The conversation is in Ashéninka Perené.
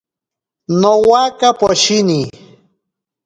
Nowaka poshini.